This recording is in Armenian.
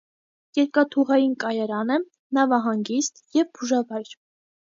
Երկաթուղային կայարան է, նավահանգիստ և բուժավայր։